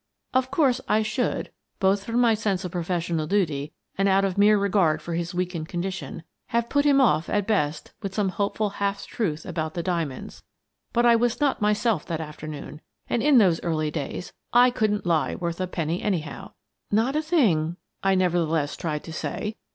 " Of course, I should — both from my sense of professional duty and out of mere regard for his weakened condition — have put him off at best with some hopeful half truth about the diamonds, but I ) "Who Killed My Son?" 125 was not myself that afternoon, and in those early days I couldn't lie worth a penny, anyhow. " Not a thing," I nevertheless tried to say.